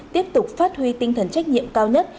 tiếp tục phát huy tinh thần trách nhiệm cao nhất